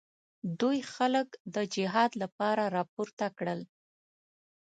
دوی خلک د جهاد لپاره راپورته کړل.